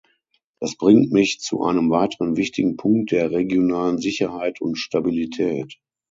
Das bringt mich zu einem weiteren wichtigen Punkt der regionalen Sicherheit und Stabilität.